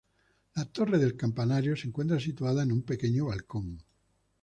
La torre del campanario se encuentra situada en un pequeño balcón.